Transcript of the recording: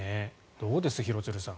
どうです、廣津留さん。